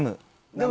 でも